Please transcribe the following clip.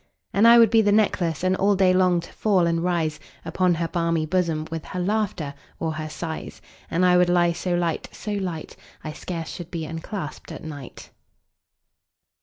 And I would be the necklace, And all day long to fall and rise Upon her balmy bosom, 15 With her laughter or her sighs: And I would lie so light, so light, I scarce should be unclasp'd at night.